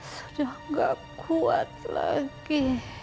sudah tidak kuat lagi